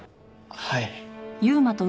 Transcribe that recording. はい。